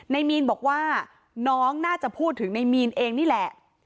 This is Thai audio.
ในมีนบอกว่าน้องน่าจะพูดถึงในมีนเองนี่แหละ